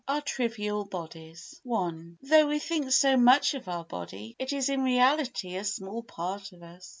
Our Trivial Bodies i Though we think so much of our body, it is in reality a small part of us.